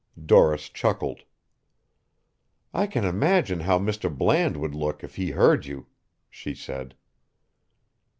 Doris chuckled. "I can imagine how Mr. Bland would look if he heard you," she said.